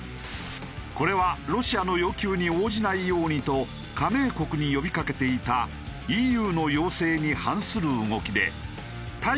これはロシアの要求に応じないようにと加盟国に呼びかけていたＥＵの要請に反する動きで対